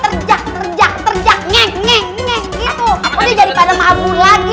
terjak terjak terjak ngek ngek gitu udah jadi pada mabu lagi